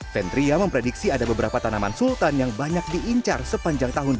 ventria memprediksi ada beberapa tanaman sultan yang banyak diincar sepanjang tahun dua ribu dua puluh satu